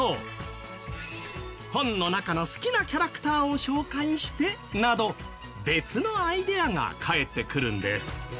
「本の中の好きなキャラクターを紹介して」など別のアイデアが返ってくるんです。